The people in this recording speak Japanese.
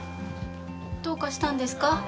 どうかしたんですか？